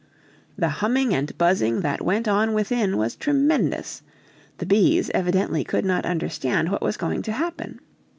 The humming and buzzing that went on within was tremendous; the bees evidently could not understand what was going to happen.